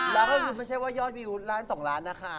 แล้วก็คือไม่ใช่ว่ายอดวิวล้าน๒ล้านนะคะ